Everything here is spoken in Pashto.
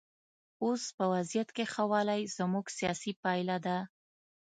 اوس په وضعیت کې ښه والی زموږ سیاست پایله ده.